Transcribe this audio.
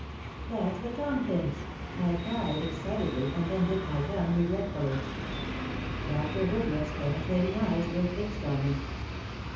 "That's what Tom thinks!" I cried, excitedly, and then bit my tongue, regretfully. Dr. Woodruff's penetrating eyes were fixed on me.